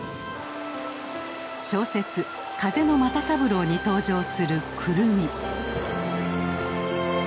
小説「風の又三郎」に登場するクルミ。